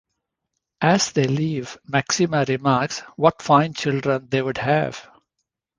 As they leave, Maxima remarks what fine children they would have.